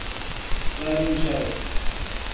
Laranjal